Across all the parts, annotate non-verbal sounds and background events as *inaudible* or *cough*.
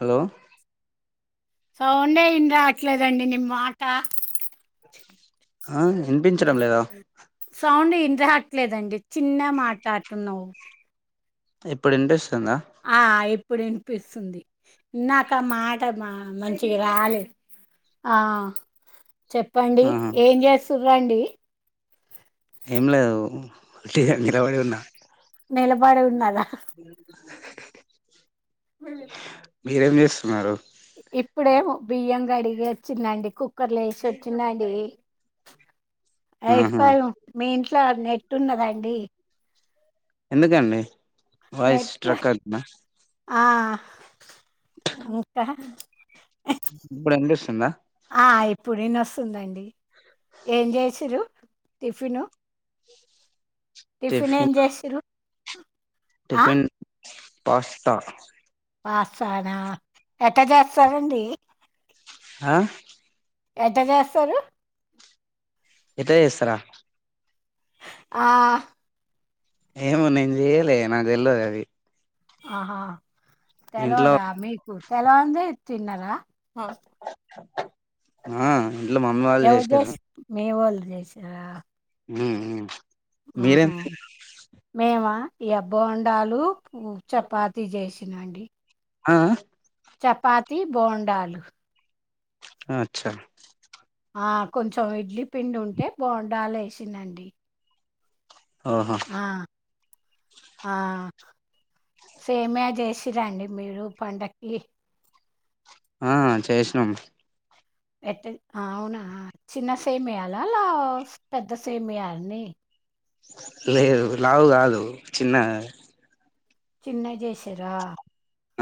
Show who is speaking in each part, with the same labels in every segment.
Speaker 1: Hello
Speaker 2: సౌండే వినరావాట్లే అండీ మీ మాట
Speaker 1: ఆ ఏ
Speaker 2: సౌండ్ ఇండ్రాట్లేదండి చిన్నగా మాట్లాడుతున్నావు
Speaker 1: ఇప్పుడు ఇన్స్
Speaker 2: హ ఇప్పుడు ఇప్పుడు వినిపిస్తుంది నాక మాట మా మంచిగా రాలేదు ఆ చెప్పండి
Speaker 1: ఆహా
Speaker 2: ఏం చేస్తూరండి
Speaker 1: ఏం లేదు వట్టిగా నిలవాడి ఉన్నా
Speaker 2: నిలబడి ఉన్నరా హ
Speaker 1: మీరేం చేస్తున్నారు
Speaker 2: ఇప్పుడేమో బియ్యం కడిగి వచ్చిందండి కుక్కర్లు వేసి వచ్చిందండి
Speaker 1: ఆహా
Speaker 2: హయిర్ఫల్ మీ ఇంట్లో నెట్ ఉన్నదండి
Speaker 1: ఎందుకండి వాయిస్
Speaker 2: నెట్
Speaker 1: ట్రక్ అవుతుంది
Speaker 2: ఆ ఇంకా
Speaker 1: ఇప్పుడు వినిపిస్తుంద
Speaker 2: ఇప్పుడు వినస్తుందండి ఏం చేసారు టిఫిను టిఫిన్ ఏం చేసిరు
Speaker 1: టిఫన్ పాస్తా
Speaker 2: పస్తానా ఎట్ట చేస్తారండి
Speaker 1: ఆ
Speaker 2: ఏటా చేస్తారు
Speaker 1: ఎట్లా చేస్తారా
Speaker 2: హ
Speaker 1: ఏమో నేను చెయలే నాకు తెళ్ళదు అది
Speaker 2: ఆహా
Speaker 1: ఇంట్లో
Speaker 2: తెల్వదా మీకు తెలండే తిన్నారా
Speaker 1: హ
Speaker 2: ఎవరు చేసారు మీవాలో చేసారా
Speaker 1: ఉమ్మ్
Speaker 2: ఆహ మేమా ఎ బోండాలు పు చపాతి చేసినాండి
Speaker 1: హ హ
Speaker 2: చపాతి బోండాలు
Speaker 1: అచ్చా
Speaker 2: కొంచెం ఇడ్లీ పిండి ఉంటే బొండాలు వేసిందండి
Speaker 1: ఓహో
Speaker 2: ఆ సేమియా చేసిరండి మీరు పండక్కి
Speaker 1: హ చేసినం
Speaker 2: ఎట్ అవునా చిన్న సేమియాల అలా పెద్ద సేమియాలని
Speaker 1: లేదు లావు కాదు చిన్న.
Speaker 2: చిన్నగ చేసిండ్రా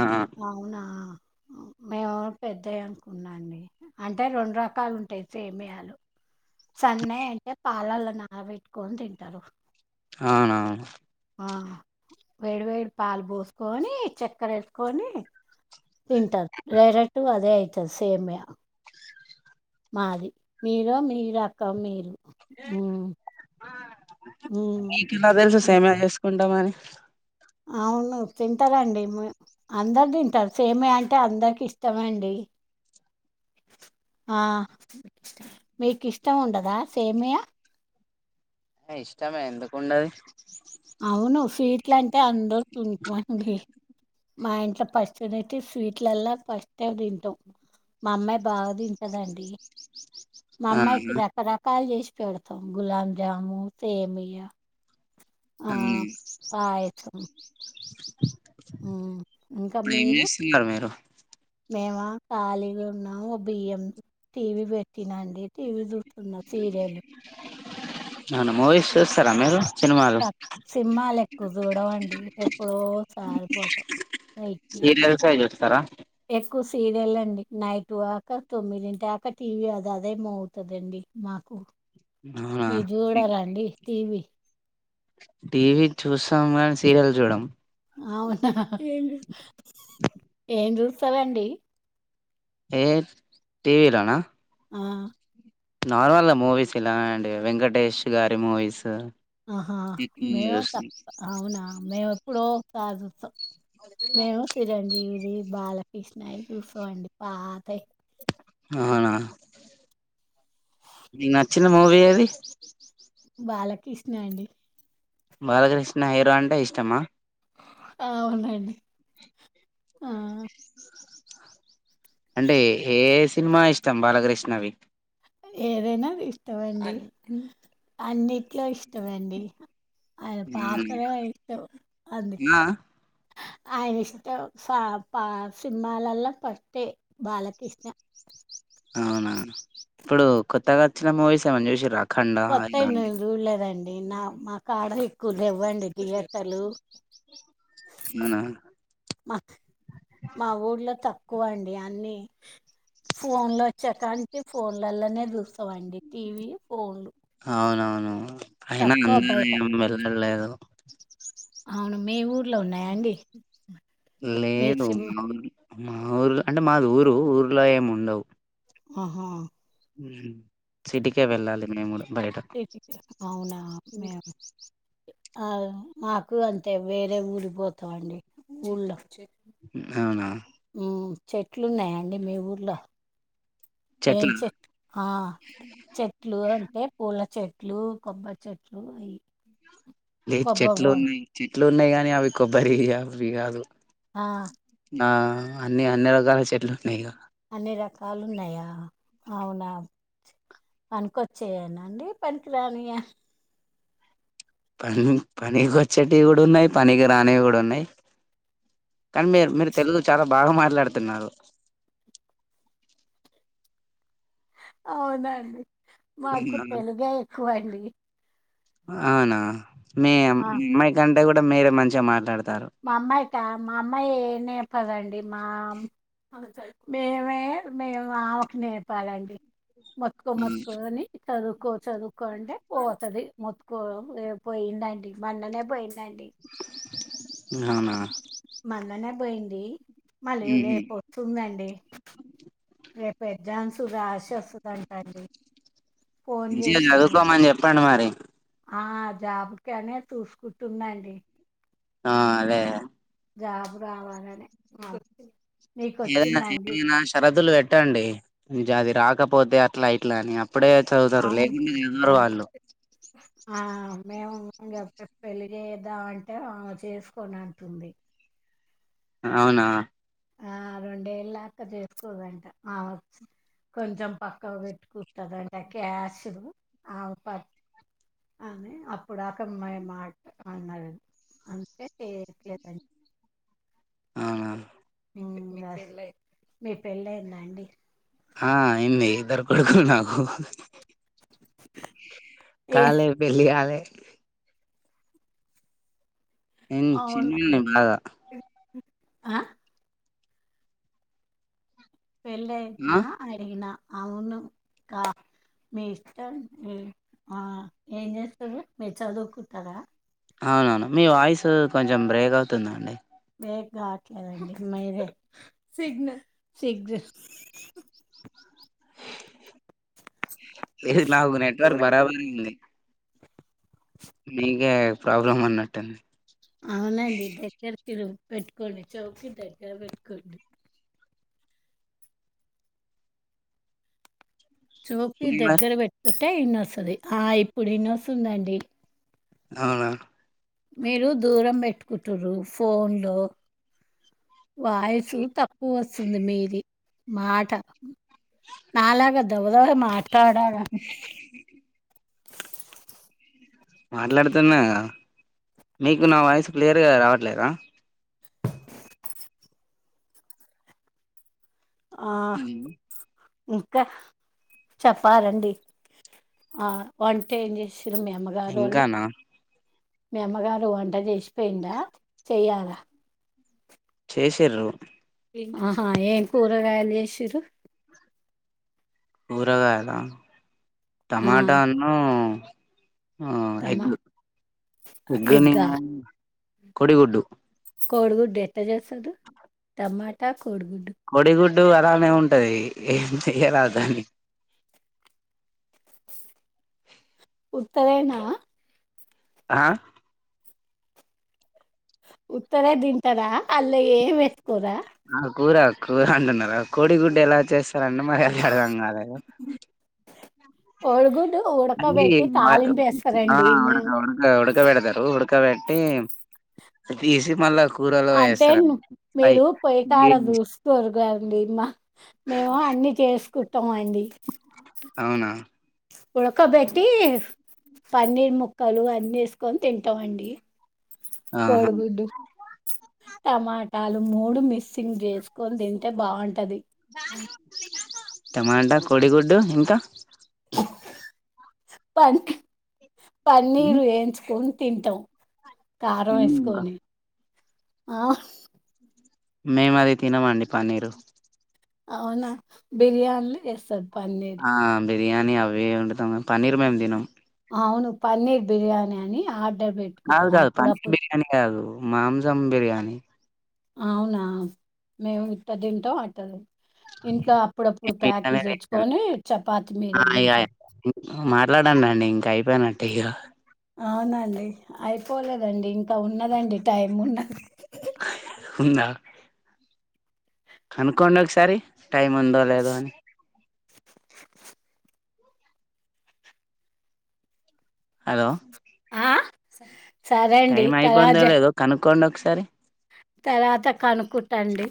Speaker 1: ఆ
Speaker 2: అవునా మే. పెద్దవి అనుకున్నాండి అంటే రెండు రకాలు ఉంటాయి సేమియాలు. సన్నవైతే పాలాల నాన పెట్టుకొని తింటారు.
Speaker 1: అవునా.
Speaker 2: ఆహ్ వేడి వేడి పాలు పోసుకొని చక్కెర వేసుకొని. తింటారు లైరట్టు అదే అయితది సేమ్య మాది మీరు మీ రకం మీరు మ్మ్
Speaker 1: మీకెలా తెలుసు సేమ్యా చేసుకుంటామని
Speaker 2: అవును తింటారండి అందరు తింటారు సేమే అంటే అందరికి ఇష్టమే అండి ఆ మీకు ఇష్టం ఉండదా సేమియా
Speaker 1: ఇష్టమే ఎందుకుండదు.
Speaker 2: అవును సీట్లు అంటే అందరికి *unintelligible* అండి. మా ఇంట్లో ఫంక్షన్ అయితే స్వీట్లాలా ఫస్టే తింటాం. మా అమ్మాయి బాగాతింటాదండి. మా అమ్మాయికి
Speaker 1: ఆహా
Speaker 2: రకరకాలు చేసి పెడతాం గులాబ్జాము సేమియా. ఆహ్ పాయసం. ఉమ్ ఇంకా
Speaker 1: ఇప్పుడు ఏం
Speaker 2: మీరు.
Speaker 1: చేస్తున్నారు మీరు
Speaker 2: మేమా ఖాళీగా ఉన్నాం ఒక బియ్యం టీవీ పెట్టినాండి టీవీ చుస్. తిన్న సీరియల్.
Speaker 1: అవునా మూవీస్ చుస్తారా మీరు. సినిమాలు
Speaker 2: సినిమాలు ఎక్కువ చూడమండి ఎప్పుడో ఒక సారిపోతాం.
Speaker 1: సీరియల్స్ యే చూస్తారా.
Speaker 2: మాకు సీరియలే అండి నైట్ దాక తొమ్మిదింటాక టీవీ అది అదేమోగుతదండి మాకు.
Speaker 1: అవునా
Speaker 2: మీరు చూడరండి టీవి.
Speaker 1: టీవీ చూస్తాము కానీ సీరియల్ చూడం.
Speaker 2: అవునా ఏం ఏం చూస్తారండి.
Speaker 1: ఏ టీవిలానా.
Speaker 2: ఆహ్.
Speaker 1: నార్మల్గా మూవీస్ ఇలా అండి వెంకటేష్ గారి మూవీస్.
Speaker 2: ఆహా
Speaker 1: ఎక్కువ
Speaker 2: మేము
Speaker 1: చూస్తా
Speaker 2: తక్ అవునా మేము ఎప్పుడో ఒకసారి చూస్తాం. మేము చిరంజీవిది బాలకృష్ణవి చూస్తామండి పాతవి.
Speaker 1: అవునా. నచ్చిన మూవీ ఏది.
Speaker 2: బాలకృష్ణ అండి.
Speaker 1: బాలకృష్ణ హీరో అంటే ఇష్టమా.
Speaker 2: ఆవున్నాండి ఆహ్.
Speaker 1: అంటే ఏ ఏ సినిమా ఇష్టం బాలకృష్ణవి.
Speaker 2: ఏదైనా ఇష్టామండి అన్నిట్లో ఇష్టమండి. అయినా పాత్రేవే ఇష్టం అందుక్.
Speaker 1: ఆ
Speaker 2: అయన ఇష్టం పా పాత సినిమాలలో ఫస్టే బాలకృష్ణ.
Speaker 1: అవునా ఇప్పుడు కొత్తగా వచ్చిన మూవీస్ ఏం అన్న చూసిండ్రా.
Speaker 2: కొత్తవి నేను చుడలేదండి. నా మాకడ ఎక్కువ లేవ్వండి థియేటర్లు.
Speaker 1: అవునా.
Speaker 2: ఎక్కువండి అన్ని. ఫోన్ లో వచ్చేకంటి ఫోన్లలనే చూస్తామండి టీవీ ఫోన్లు.
Speaker 1: అవునవును అయినా
Speaker 2: తక్కువ
Speaker 1: అందరునీ
Speaker 2: బయట
Speaker 1: ఏమ వెళ్ళలేదు.
Speaker 2: అవును మీ ఊర్లో ఉన్నాయా అండి.
Speaker 1: లేదు మా ఊర్ మా ఊర్లో అంటే మాది ఊరు ఊర్లో ఏమి ఉండవు.
Speaker 2: ఆహ్.
Speaker 1: ఉమ్ సిటికే వెళ్ళాలి మేము కూడా. బయట
Speaker 2: అవునా మేం ఆ మాకు అంతే వేరే ఊరు పోతమండి ఊళ్ళో
Speaker 1: ఉమ్ అవునా.
Speaker 2: ఉమ్ చెట్లున్నాయండి మీ ఊర్లో. ఏం
Speaker 1: చెట్లు
Speaker 2: చెట్ ఆ చెట్లు అంటే పూల చెట్లు ట్లు కొబ్బరి చెట్లు అయ్యి
Speaker 1: లే చెట్లు ఉన్నాయి చెట్లు ఉన్నాయి గానీ అవి కొబ్బరివి అవి కాదు
Speaker 2: ఆ
Speaker 1: నా అన్నీ అన్ని రకాల చెట్లు ఉన్నాయి ఇగ
Speaker 2: అన్ని రకాలు ఉన్నాయా అవునా పనికికొచ్చేయనా అండి పనికిరానియ
Speaker 1: పనికొచ్చేటివి కూడా ఉన్నాయి పనికి రానివి కూడా ఉన్నాయి కాని మీర్ మీరు తెలుగు చాలా బాగా మాట్లాడుతున్నారు
Speaker 2: అవునా అండి మాకు తెలుగే ఎక్కువండి
Speaker 1: అవునా మీ
Speaker 2: ఆ
Speaker 1: అమ్మాయి కంటే కూడా మీరే మంచిగా మాట్లాడు
Speaker 2: మా అమ్మాయికా మా అమ్మాయి ఏం నేప్పదండి మా మేమే మేము ఆమెకు నేర్పాలయ్యి మత్కో మత్కో అని చదువుకో చదువుకో అంటే పోతది మత్ కో ఏ పోయిందంటి మన్ననే పోయిందంటి
Speaker 1: అవునా
Speaker 2: మల్లనే బోయింది మళ్ళీ రేపు వస్తుందండి రేప్ పెజాగ్జామ్స్ రాశి వస్తుందంటండి
Speaker 1: మంచిగా చదువుకోమని చెప్పండి మరి
Speaker 2: ఆ జాబ్ కనే చూసుకుంటుందండి
Speaker 1: ఆ అదే
Speaker 2: జాబ్ రావాలనే మాకు
Speaker 1: ఏదన్న ఏదైనా షరతులు వెట్టండి ఇగ అది రాకపోతే అట్లా ఇట్లాని అప్పుడే చదువుతారు
Speaker 2: అవును
Speaker 1: లేకుంటే చదవరు
Speaker 2: అవును
Speaker 1: వాళ్ళు
Speaker 2: ఆ మేము ఇగ పే పెళ్లిజెయ్యదా అంటే అ చేసుకొన్ అంటుంది
Speaker 1: అవునా
Speaker 2: ఆ రెండేళ్ళక చేసుకోదంట ఆమకు కొంచెం పక్కకు పెట్టుకుంటదంట క్యాషు ఆమ ప అమె అప్పుడు ఆకమ్మా మయ్ మాట అన్నది అందుకే *unintelligible*
Speaker 1: అవునా
Speaker 2: మీ పెళ్ళయిందా అండి
Speaker 1: ఆ అయింది ఇద్దరు కొడుకులు నాకు
Speaker 2: ఏ
Speaker 1: కాలే పెళ్లి గాలే ఉ చిన్న బాగా
Speaker 2: అ పెళ్ళి అయింది ఆ అడిగిన అవును కా మీ ఇష్టం మీ ఆ ఏం చేస్తరు మీర్ చదువుకుంటరా
Speaker 1: అవునవును మీ వాయిస్ కొంచెం బ్రేక్ అవుతుందండి
Speaker 2: మీక్ రావట్లేదండి మీరే సిగ్నల్
Speaker 1: లేద్ నాకు నెట్వర్క్ బరాబరి ఉంది మీగే ప్రాబ్లం ఉన్నట్టు ఉంది
Speaker 2: అవునండి దగ్గర తిరుగు పెట్టుకోండి చౌకి దగ్గర పెట్టుకోండి. చౌకి
Speaker 1: మరి
Speaker 2: దగ్గర పెట్టుకుంటె ఇన్నొస్తది ఆ ఇప్పుడు ఇన్నొస్తుందండి
Speaker 1: అవునా
Speaker 2: మీరు దూరం పెట్టుకుటుర్రు ఫోన్ లు వాయిసు తప్పు వస్తుంది మీది మాట నాలాగ డబాడబా మాటడలండి ని
Speaker 1: మాట్లాడుతున్నా కదా మీకు నా వాయిస్ క్లియర్గా రావట్లేదా ఊ
Speaker 2: ఇంక చెప్పాలండి ఆ వంటేమ్ చేస్ చ్చిది అమ్మగారోళ్ళు
Speaker 1: ఇంకానా
Speaker 2: మీ అమ్మగారు వంట చేశిపోయింద చెయ్యాలా?
Speaker 1: చేసిర్రు
Speaker 2: ఆహా ఏం కూరగాయలు చేసిర్రు
Speaker 1: కూరగాయల
Speaker 2: ఆ
Speaker 1: టమాటా ఉన్ను ఆ ఎగ్
Speaker 2: టమాటా
Speaker 1: ఎగ్గని
Speaker 2: ఎగ్గా
Speaker 1: ఆ కొడి గుడ్డు *inaudible*
Speaker 2: కోడిగుడ్డు ఎట్ట చేస్తదు టమాటా కోడిగుడ్డు
Speaker 1: గుడ్డు అలానే ఉంటది ఏం చెయ్యరాదు దాన్ని
Speaker 2: స్ ఉత్తదేనా
Speaker 1: అ
Speaker 2: ఉత్తదే తింటరా అల్ల ఏం ఏసుకోరా?
Speaker 1: ఆ కూర కూర అంటున్నారా? కోడిగుడ్డు ఎలా చేస్తరంటే మరి ఎలా అన్నారా
Speaker 2: *unintelligible* ఏం తింటున్
Speaker 1: అన్ని ఆ ఉడక
Speaker 2: మేము
Speaker 1: ఉడక ఉడకబెడ్తరు ఉడకబెట్టి *unintelligible* తీసి మల్ల
Speaker 2: అంటే మీరు పోయికాడ చూస్తరు నేను తిన్న హ్ మేము అన్ని చేసుకుంటం అండి
Speaker 1: అవునా
Speaker 2: ఉడకబెట్టి పన్నీర్ ముక్కలు అన్ని ఏసుకొని తింటమండి.
Speaker 1: ఆహా
Speaker 2: కోడి గుడ్డు టమాటాలు మూడు మిస్సింగ్ చేసుకొని తింటె బావున్
Speaker 1: టమాటా కోడిగుడ్డు ఇంక?
Speaker 2: పన్ పన్నీరు వేయించుకున్ తింటం కారం వేసుకొని ఆ హ్
Speaker 1: మేము అది తినమండి పన్నీరు
Speaker 2: అవునా బిర్యానీ చేస్తరు పన్నీరు
Speaker 1: ఆ బిర్యానీ అవ్వే అండుతం గని పన్నీర్ మేము తినం
Speaker 2: అవును పన్నీర్ బిర్యానీ అని ఆడ్
Speaker 1: కాదు కాదు పన్నీర్ బిర్యానీ కాదు మాంసం బిర్యానీ
Speaker 2: అవునా మేము ఇట్ట తింట అట్ల తిన్ ఇంట్లో అప్పుడప్పుడు
Speaker 1: మేము ఇట్లానే
Speaker 2: పాకెట్స్
Speaker 1: తింటాం.
Speaker 2: తెచ్చుకొని చపాతి మీద తింటం
Speaker 1: ఇట్ల మాట్లాడనండి ఇంకా అయిపోయినట్టే ఇగ
Speaker 2: అవునండి అయిపోలేదండి ఇంకా ఉన్నదండి టైం ఉన్నది హ్ హ్
Speaker 1: ఉందా? కనుక్కోండి ఒకసారి టైమ్ ఉందో లేదో అని హలో
Speaker 2: ఆ సరే అండి తయారు జె
Speaker 1: కోండ్ ఒకసారి
Speaker 2: తరవాత కనుక్కుట్టండి.